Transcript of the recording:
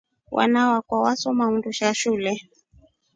Wana wakwa wasoma undusha shule.